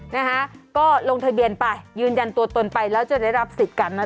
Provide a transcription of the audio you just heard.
นะฮะก็ลงทะเบียนไปยืนยันตัวตนไปแล้วจะได้รับสิทธิ์กันนะคะ